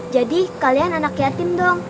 jadi kalian anak yatim dong